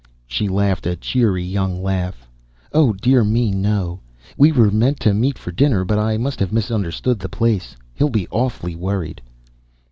She laughed, a cheery young laugh. "Oh, dear me, no. We were to meet for dinner but I must have misunderstood the place. He'll be awfully worried."